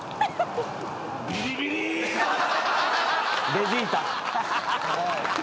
「ベジータ」